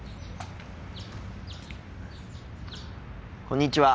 こんにちは。